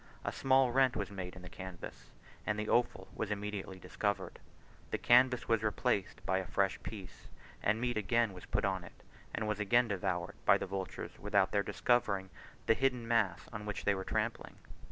A small rent was made in the canvas, and the offal was immediately discovered; the canvas was replaced by a fresh piece, and meat again put on it, and was again devoured by the vultures without their discovering the hidden mass on which they were trampling.